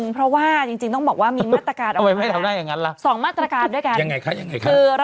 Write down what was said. เพราะว่าต้องบอกว่ามีมาตรการ